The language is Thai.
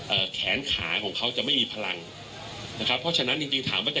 แขนขาของเขาจะไม่มีพลังนะครับเพราะฉะนั้นจริงจริงถามว่าจะ